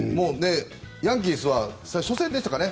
ヤンキースは初戦でしたかね